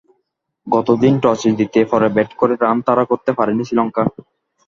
গতদিন টসে জিতে পরে ব্যাট করে রান তাড়া করতে পারেনি শ্রীলঙ্কা।